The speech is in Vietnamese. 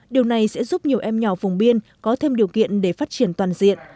điều này sẽ giúp nhiều em nhỏ vùng biên có thêm điều kiện để phát triển toàn diện